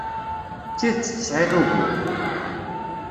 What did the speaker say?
D tidet tesɛid ugur.